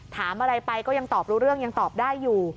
ถามอะไรไปก็ยังตอบรู้เรื่องยังตอบได้อยู่